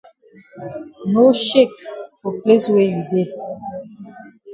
No shake for place wey you dey.